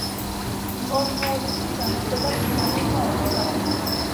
კორნუოლისი დანებდა და ბრიტანეთმა ომი წააგო.